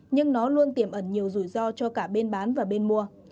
nhưng nó luôn tiềm ẩn nhiều rủi ro cho cả bên bán và bên mua